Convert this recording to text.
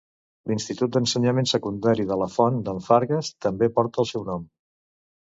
I l'Institut d'ensenyament secundari de la Font d'en Fargues també porta el seu nom.